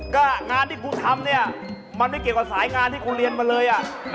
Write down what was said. ก็งานที่กูทำเนี่ยมันไม่เกี่ยวกับสายงานที่กูเรียนมาเลย